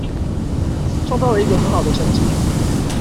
創造了一個很好的成績